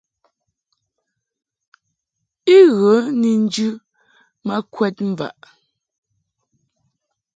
I ghə ni njɨ ma kwɛd mvaʼ.